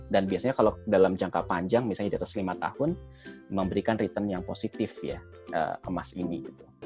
dan biasanya kalau dalam jangka panjang misalnya di atas lima tahun memberikan return yang positif ya emas ini